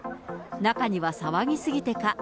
中には騒ぎ過ぎてか。